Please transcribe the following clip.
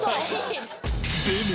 ［でも］